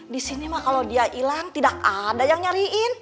di sini mah kalau dia hilang tidak ada yang nyariin